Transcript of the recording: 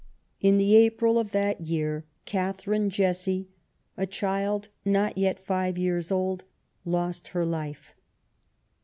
In the April of that year Catherine Jessie, a child not yet five years old, lost her life.